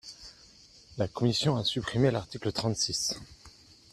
La commission a supprimé l’article trente-six.